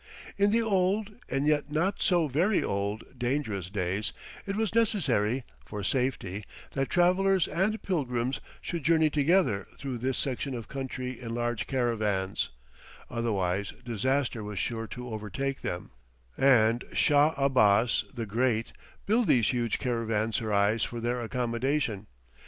In the old and yet not so very old dangerous days, it was necessary, for safety, that travellers and pilgrims should journey together through this section of country in large caravans, otherwise disaster was sure to overtake them; and Shah Abbas the Great built these huge caravanserais for their accommodation.